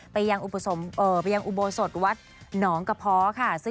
ไปยังไปยังอุโบสถวัดหนองกระเพาะค่ะ